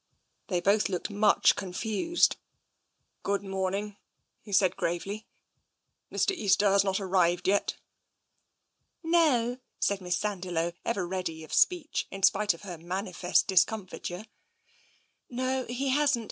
They both looked much confused. " Good morning," he said gravely. " Mr. Easter has not arrived yet? "" No," said Miss Sandiloe, ever ready of speech, in spite of her manifest discomfiture. " No, he hasn't.